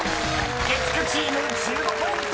［月９チーム１５ポイント